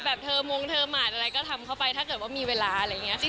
แบบเธอมงเธอหมาดอะไรก็ทำเข้าไปถ้าเกิดว่ามีเวลาอะไรอย่างนี้